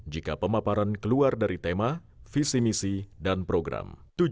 jika pemaparan keluar dari tema visi misi dan program